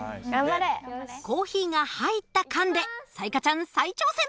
コーヒーが入った缶で彩加ちゃん再挑戦！